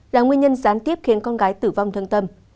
là nguyên nhân gián tiếp khiến con gái tử vong thương tâm